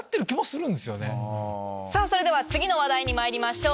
それでは次の話題にまいりましょう。